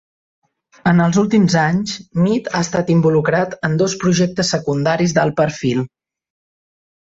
En els últims anys, Mead ha estat involucrat en dos projectes secundaris d'alt perfil.